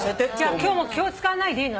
今日も気を使わないでいいの？